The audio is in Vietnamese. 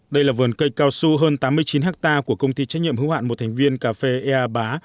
đây là vườn cây cao su hơn tám mươi chín hectare của công ty trách nhiệm hữu hạn một thành viên cà phê ea bá